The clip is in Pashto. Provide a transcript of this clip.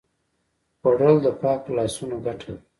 خوړل د پاکو لاسونو ګټه ده